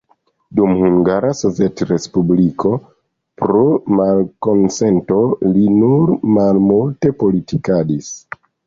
Dum Hungara Sovetrespubliko pro malkonsento li nur malmulte politikadis.